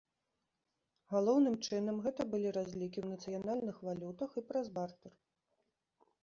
Галоўным чынам гэта былі разлікі ў нацыянальных валютах і праз бартэр.